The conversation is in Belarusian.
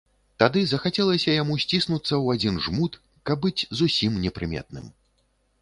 Тады захацелася яму сціснуцца ў адзін жмут, каб быць зусім непрыметным.